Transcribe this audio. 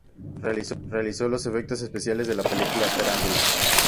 Realizó los efectos especiales de la película "¡Tarántula!".